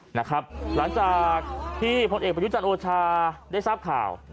หลังจากที่พลเอกประยุจันทร์โอชาได้ทราบข่าว